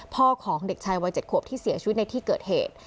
ของเด็กชายวัย๗ขวบที่เสียชีวิตในที่เกิดเหตุ